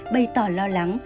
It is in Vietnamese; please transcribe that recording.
bày tỏ lo lắng